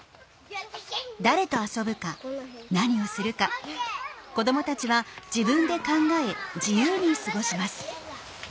誰と遊ぶか何をするか子どもたちは自分で考え自由に過ごします。